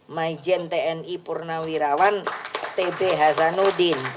majen tni purnawirawan tb hasanuddin